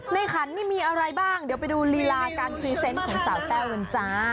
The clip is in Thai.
ขันนี่มีอะไรบ้างเดี๋ยวไปดูลีลาการพรีเซนต์ของสาวแต้วกันจ้า